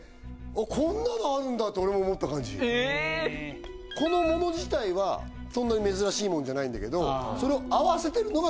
こんなのあるんだって俺も思った感じえっこのもの自体はそんなに珍しいもんじゃないんだけどそれを合わせてるのが